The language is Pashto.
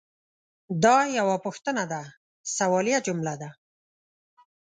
دا یوه پوښتنه ده – سوالیه جمله ده.